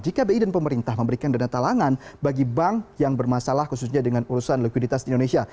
jika bi dan pemerintah memberikan dana talangan bagi bank yang bermasalah khususnya dengan urusan likuiditas di indonesia